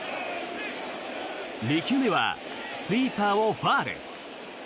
２球目はスイーパーをファウル。